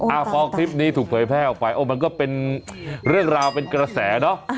อ่าพอคลิปนี้ถูกเผยแพร่ออกไปโอ้มันก็เป็นเรื่องราวเป็นกระแสเนอะ